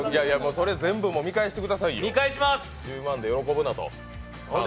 それ全部見返してください。